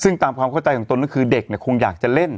ซึ่งตามความเข้าใจของตนก็คือเด็กเนี่ยคงอยากจะเล่น